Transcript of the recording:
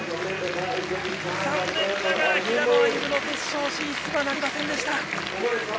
残念ながら平野歩夢の決勝進出はなりませんでした。